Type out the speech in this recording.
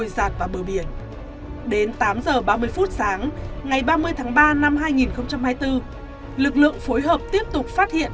đến tám giờ ba mươi phút sáng ngày ba mươi tháng ba năm hai nghìn hai mươi bốn lực lượng phối hợp tiếp tục phát hiện